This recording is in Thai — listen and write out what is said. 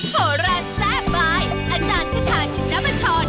โทรแรมแซ่บบ้ายอาจารย์ครึ่งค่าฉีดน้ำบันชน